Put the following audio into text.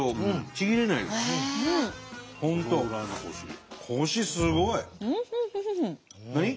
本当コシすごい。